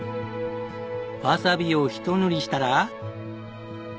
わさびをひと塗りしたら。